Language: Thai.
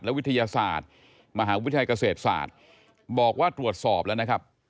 วิทยาศาสตร์มหาวิทยาลัยเกษตรศาสตร์บอกว่าตรวจสอบแล้วนะครับ